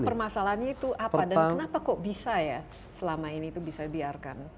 permasalahannya itu apa dan kenapa kok bisa ya selama ini itu bisa dibiarkan